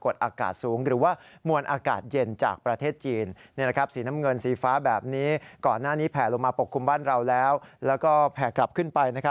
แล้วก็แผ่กลับขึ้นไป